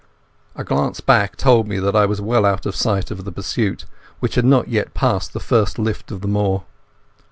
A glance back told me that I was well out of sight of the pursuit, which had not yet passed the first lift of the moor.